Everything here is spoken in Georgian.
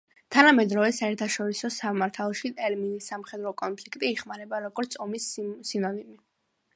თანამედროვე საერთაშორისო სამართალში ტერმინი სამხედრო კონფლიქტი იხმარება, როგორც ომის სინონიმი.